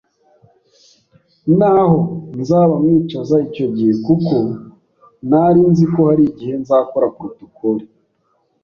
n’aho nzaba mwicaza icyo gihe, kuko ntari nzi ko hari igihe nzakora protocole